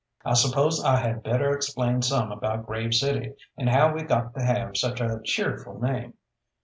I suppose I had better explain some about Grave City, and how it got to have such a cheerful name.